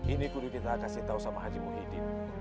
ini kudu kita kasih tahu sama haji muhyiddin